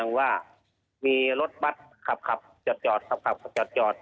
แสนว่ามีรถบั๊ดขับจะจอด